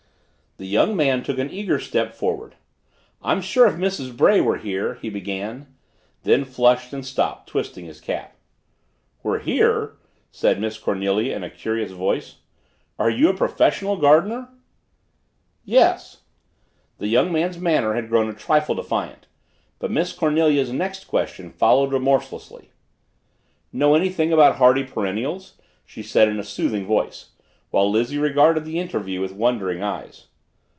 The young man took an eager step forward. "I am sure if Mrs. Bray were here " he began, then flushed and stopped, twisting his cap. "Were here?" said Miss Cornelia in a curious voice. "Are you a professional gardener?" "Yes." The young man's manner had grown a trifle defiant but Miss Cornelia's next question followed remorselessly. "Know anything about hardy perennials?" she said in a soothing voice, while Lizzie regarded the interview with wondering eyes.